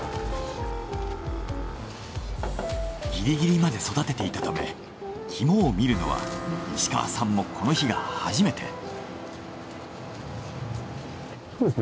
ギリギリまで育てていたためキモを見るのは石川さんもこの日が初めて。